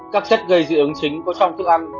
các chất gây dị ứng chính có trong thức ăn